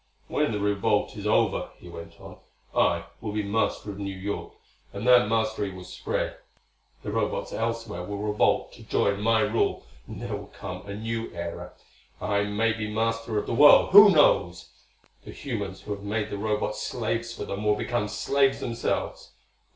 "When the revolt is over," he went on, "I will be master of New York. And that mastery will spread. The Robots elsewhere will revolt to join my rule, and there will come a new era. I may be master of the world; who knows? The humans who have made the Robots slaves for them will become slaves themselves.